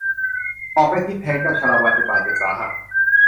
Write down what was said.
หอกได้ทิ่มแทงเจ้าชาละวันจนบาดเจ็บสาหัส